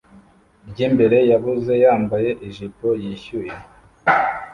ryimbere yabuze yambaye ijipo yishyuwe